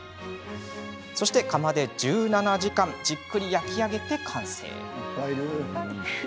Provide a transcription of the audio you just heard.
そして、窯で１７時間じっくり焼き上げて完成。